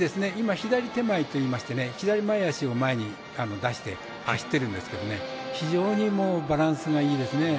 左手前といいまして左前脚を前に出して走っているんですけど非常にバランスがいいですね。